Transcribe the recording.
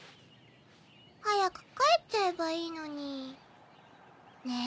「早く帰っちゃえばいいのに」。ねぇ。